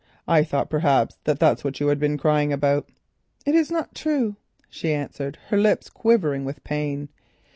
I thought perhaps that was what you had been crying about?" "It is not true," she answered, her lips quivering with pain. Mr.